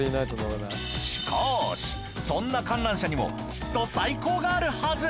しかしそんな観覧車にもきっと最高があるはず！